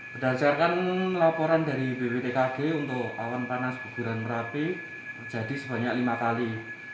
berdasarkan laporan dari bwtkg untuk awan panas guguran merapi terjadi sebanyak lima kali